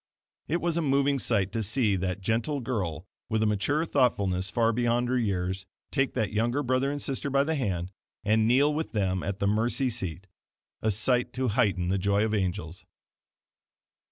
It was a moving sight to see that gentle girl, with a mature thoughtfulness far beyond her years, take that younger brother and sister by the hand, and kneel with them at the mercy seat a sight to heighten the joy of angels.